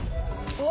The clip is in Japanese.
うわ！